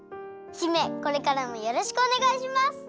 姫これからもよろしくおねがいします！